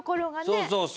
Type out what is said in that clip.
そうそうそう。